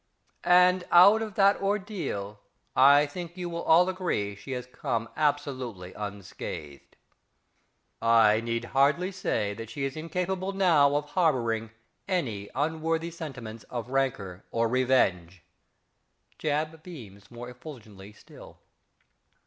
~_), and out of that ordeal I think you will all agree she has come absolutely unscathed. I need hardly say that she is incapable now of harbouring any unworthy sentiments of rancour or revenge. (_~JAB.~ beams more effulgently still.